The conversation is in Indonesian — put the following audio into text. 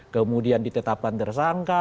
kemudian ditetapkan tersangka